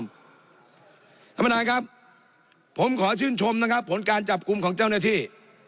ท่านประธานครับผมขอชื่นชมนะครับผลการจับกลุ่มของเจ้าหน้าที่